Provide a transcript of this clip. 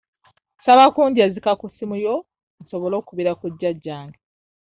Nsaba kunjazika ku ssimu yo nsobole okukubira jjajjange.